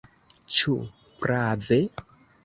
Ĉu prave?